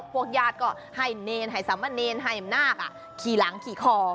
พวกญาติก็ให้เนรให้สามเณรให้อำนาจขี่หลังขี่คอ